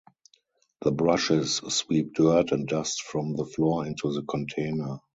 The brushes sweep dirt and dust from the floor into the container.